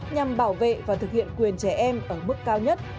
nhằm bảo vệ và thực hiện quyền trẻ em ở mức cao nhất